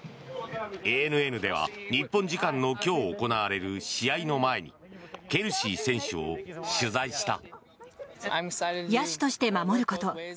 ＡＮＮでは日本時間の今日行われる試合の前にケルシー選手を取材した。